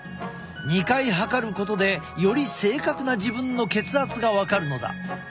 ２回測ることでより正確な自分の血圧が分かるのだ。